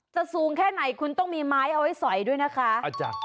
สูงแค่ไหนคุณต้องมีไม้เอาไว้สอยด้วยนะคะ